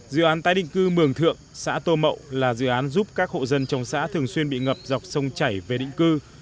dự án tái định cư mường thượng xã tô mậu là dự án giúp các hộ dân trong xã thường xuyên bị ngập dọc sông chảy về định cư